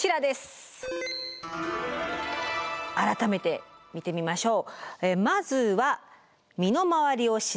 改めて見てみましょう。